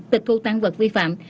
tịch thu tăng vật vi phạm